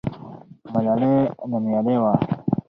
ملالۍ نومیالۍ وه.